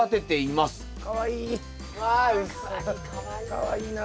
かわいいな。